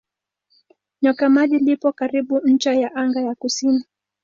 Nyoka Maji lipo karibu ncha ya anga ya kusini.